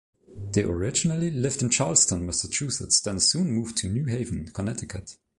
They originally lived in Charlestown, Massachusetts, then soon moved to New Haven, Connecticut.